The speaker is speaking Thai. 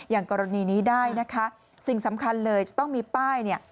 อย่างกรณีนี้ได้นะคะสิ่งสำคัญเลยจะต้องมีป้ายเนี่ย